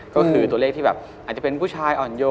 ก็คือตัวเลขที่แบบอาจจะเป็นผู้ชายอ่อนโยน